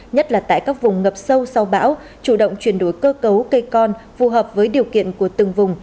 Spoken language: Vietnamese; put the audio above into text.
nhất là tại các vùng ngập sâu sau bão chủ động chuyển đổi cơ cấu cây con phù hợp với điều kiện của từng vùng